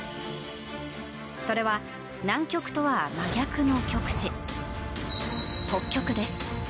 それは南極とは真逆の極地、北極です。